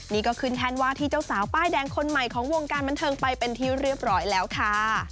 นี่ก็ขึ้นแทนว่าที่เจ้าสาวป้ายแดงคนใหม่ของวงการบันเทิงไปเป็นที่เรียบร้อยแล้วค่ะ